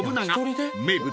［名物！